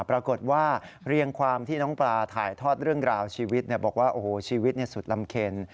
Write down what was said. ปรากฏว่าเรียงความที่น้องปลาถ่ายทอดเรื่องราวชีวิตบอกว่าโอ้โหชีวิตสุดลำเคน